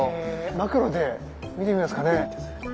マクロで見てみますかね。